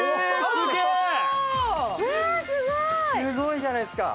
すごいじゃないですか。